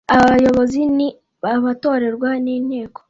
abayobozi ni abatorerwa n’inteko